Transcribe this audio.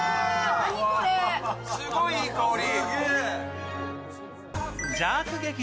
すごいいい香り。